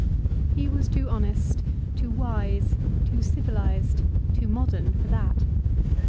He was too honest, too wise, too civilised, too modern for that.